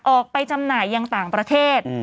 จำหน่ายยังต่างประเทศ